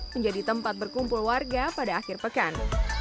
menjadi tempat berkumpul warga pada akhir pekan